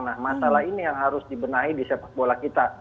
nah masalah ini yang harus dibenahi di sepak bola kita